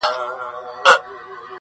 برايي نيمه شپه كي_